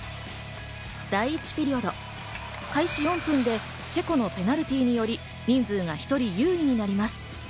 第１ピリオド、開始４分でチェコのペナルティーにより人数が１人優位になります。